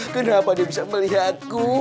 kenapa dia bisa melihatku